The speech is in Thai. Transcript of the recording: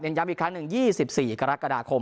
ย้ำอีกครั้งหนึ่ง๒๔กรกฎาคม